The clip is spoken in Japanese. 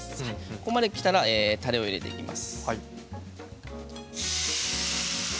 ここまできたらたれを入れていきます。